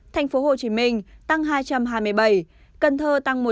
tp hcm tăng hai trăm hai mươi bảy cần thơ tăng một trăm năm mươi sáu